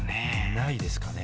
ないですかね？